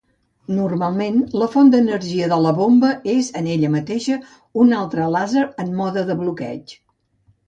Normalment, la font d'energia de la bomba és, en ella mateixa, un altre làser en mode de bloqueig.